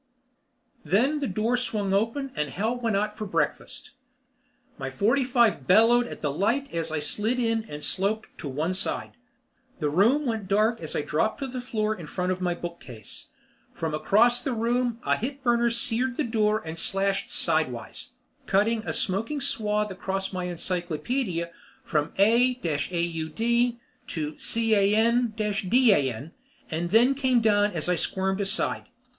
Then the door swung open and hell went out for breakfast. My forty five bellowed at the light as I slid in and sloped to one side. The room went dark as I dropped to the floor in front of my bookcase. From across the room a hitburner seared the door and slashed sidewise, cutting a smoking swathe across my encyclopedia from A AUD to CAN DAN and then came down as I squirmed aside.